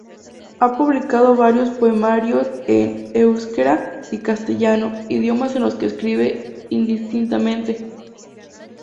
Ha publicado varios poemarios en euskera y castellano, idiomas en los que escribe indistintamente.